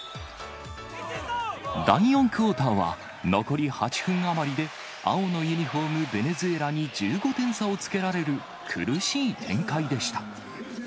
第４クオーターは、残り８分余りで青のユニホーム、ベネズエラに１５点差をつけられる苦しい展開でした。